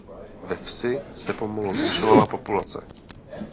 Ve vsi se pomalu zvyšovala populace.